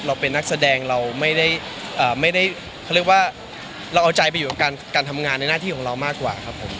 เราเป็นนักแสดงเราไม่ได้เขาเรียกว่าเราเอาใจไปอยู่กับการทำงานในหน้าที่ของเรามากกว่าครับผม